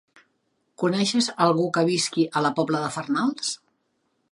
Coneixes algú que visqui a la Pobla de Farnals?